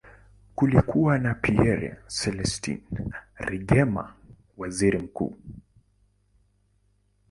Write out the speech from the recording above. Kulikuwa na Pierre Celestin Rwigema, waziri mkuu.